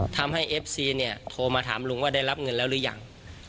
ทำให้เอฟซีเนี่ยโทรมาถามลุงว่าได้รับเงินแล้วหรือยัง